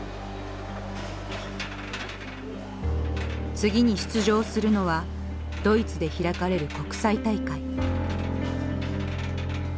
次に出場するのはドイツで開かれる国際大会。